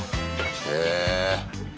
へえ。